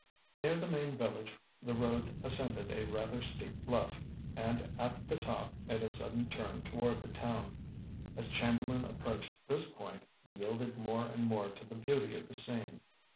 Near the main village the road ascended a rather steep bluff, and at the top made a sudden turn toward the town. As Chamberlain approached this point, he yielded more and more to the beauty of the scene.